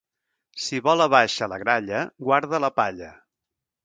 Si vola baixa la gralla, guarda la palla.